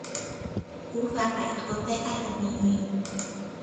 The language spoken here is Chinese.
无法摆脱悲哀的命运